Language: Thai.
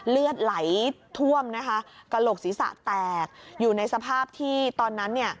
เลือดไหลท่วมนะคะกระโหลกศีรษะแตกอยู่ในสภาพที่ตอนนั้นเนี่ย